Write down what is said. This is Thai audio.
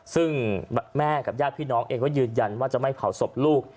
ซึ่งแม่กับญาติพี่น้องเองก็ยืนยันว่าจะไม่เผาศพลูก